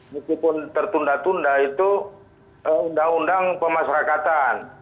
meskipun tertunda tunda itu undang undang pemasarakatan